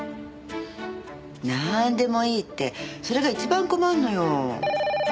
なんでもいいってそれが一番困るのよ。